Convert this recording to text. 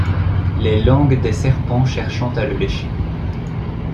Les langues des serpents cherchant à le lécher